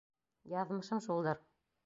Яҙмышым шулдыр...